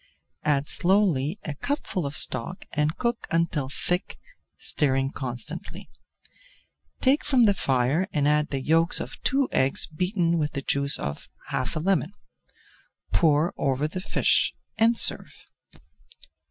Add slowly a cupful of stock and cook until thick, stirring constantly. Take [Page 326] from the fire and add the yolks of two eggs beaten with the juice of half a lemon. Pour over the fish and serve.